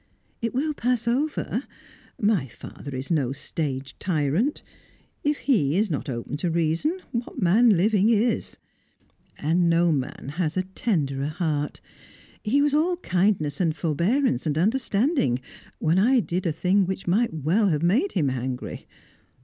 "It will pass over. My father is no stage tyrant. If he is not open to reason, what man living is? And no man has a tenderer heart. He was all kindness and forbearance and understanding when I did a thing which might well have made him angry.